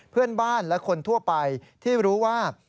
เพื่อนบ้านและคนทั่วไปที่รู้ว่า